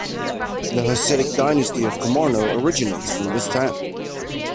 The Hasidic dynasty of Komarno originates from this town.